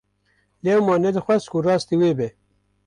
Lewma nedixwest ku rastî wê bê.